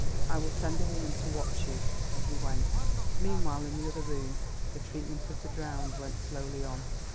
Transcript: I will send a woman to watch you," and he went. Meanwhile in the other room the treatment of the drowned went slowly on.